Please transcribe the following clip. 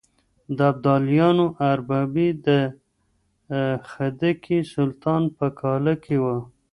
د ابدالیانو اربابي د خدکي سلطان په کاله کې وه.